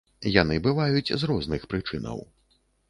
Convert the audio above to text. Яны бываюць з розных прычынаў.